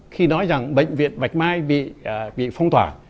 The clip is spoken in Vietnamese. khi nói rằng bệnh viện bạch mai bị phong tỏa